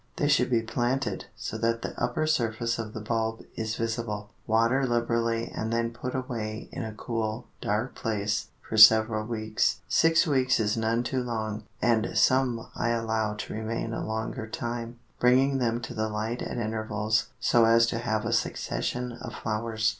They should be planted so that the upper surface of the bulb is visible. Water liberally and then put away in a cool dark place for several weeks, six weeks is none too long, and some I allow to remain a longer time, bringing them to the light at intervals so as to have a succession of flowers.